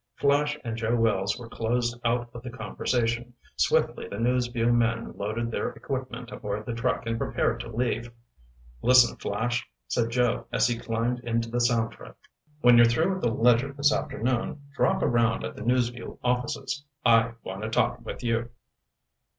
Flash and Joe Wells were closed out of the conversation. Swiftly the News Vue men loaded their equipment aboard the truck and prepared to leave. "Listen, Flash," said Joe as he climbed into the sound truck. "When you're through at the Ledger this afternoon, drop around at the News Vue offices. I want to talk with you."